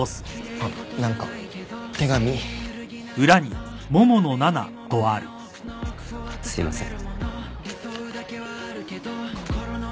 あっすいません。